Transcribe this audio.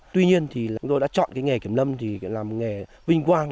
tuy nhiên thì chúng tôi đã chọn cái nghề kiểm lâm thì là một nghề vinh quang